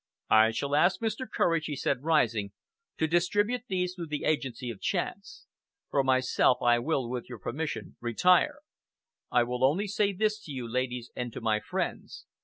"I shall ask Mr. Courage," he said, rising, "to distribute these through the agency of chance. For myself, I will, with your permission, retire. I will only say this to you, ladies, and to my friends.